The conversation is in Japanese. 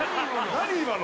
何今の？